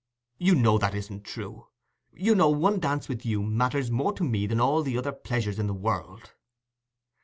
"You know that isn't true. You know one dance with you matters more to me than all the other pleasures in the world."